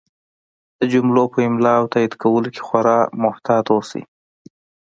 د جملو په املا او تایید کولو کې خورا محتاط اوسئ!